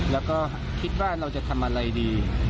แล้วก็คิดว่าเราจะทำอะไรดี